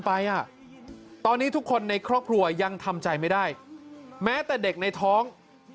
ไปอ่ะตอนนี้ทุกคนในครอบครัวยังทำใจไม่ได้แม้แต่เด็กในท้อง